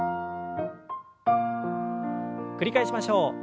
繰り返しましょう。